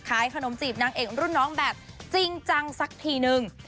ขายขนมจีบนางเอกรุ่นน้องแบบจริงจังสักทีนึง